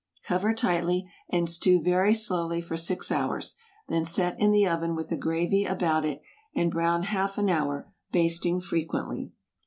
Cover tightly and stew very slowly for six hours; then set in the oven with the gravy about it, and brown half an hour, basting frequently.